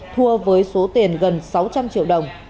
thua với số tiền gần sáu trăm linh triệu đồng